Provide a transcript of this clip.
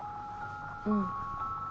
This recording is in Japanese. うん。